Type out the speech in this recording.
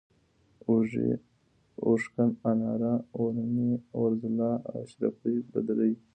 اوږۍ ، اوښکه ، اناره ، اورنۍ ، اورځلا ، اشرفۍ ، بدرۍ